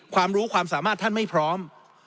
ความรู้ความสามารถท่านไม่พร้อม